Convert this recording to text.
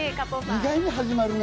意外に始まるね。